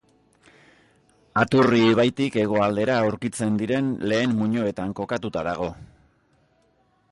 Aturri ibaitik hegoaldera aurkitzen diren lehen muinoetan kokatuta dago.